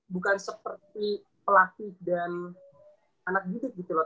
bukan seperti pelatih dan anak didik gitu loh